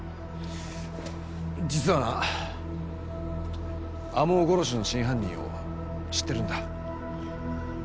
実はな天羽殺しの真犯人を知ってるんだ。